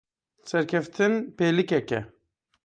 Serkeftin pêlikek e.